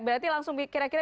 berarti langsung kira kira